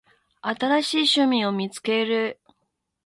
新しい趣味を見つける